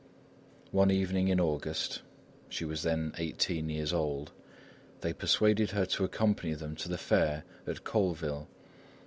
One evening in August (she was then eighteen years old), they persuaded her to accompany them to the fair at Colleville.